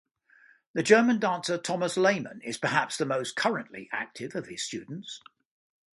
The German dancer Thomas Lehmen is perhaps the most currently active of his students.